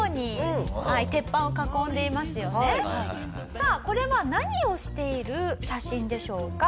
さあこれは何をしている写真でしょうか？